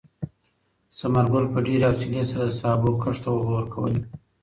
ثمر ګل په ډېرې حوصلې سره د سابو کښت ته اوبه ورکولې.